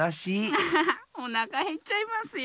アハハッおなかへっちゃいますよ。